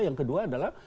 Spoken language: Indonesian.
yang kedua adalah